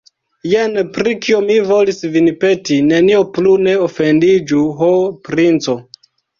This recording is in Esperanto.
Jen pri kio mi volis vin peti, nenio plu, ne ofendiĝu, ho, princo!